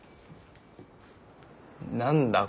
何だ？